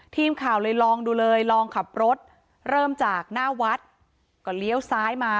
ทีมข่าวเลยลองดูเลยลองขับรถเริ่มจากหน้าวัดก็เลี้ยวซ้ายมา